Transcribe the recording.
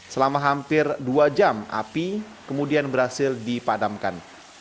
selama hampir dua jam api kemudian berhasil dipadamkan